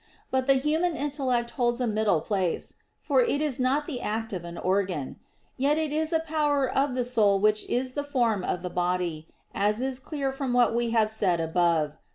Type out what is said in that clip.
But the human intellect holds a middle place: for it is not the act of an organ; yet it is a power of the soul which is the form of the body, as is clear from what we have said above (Q.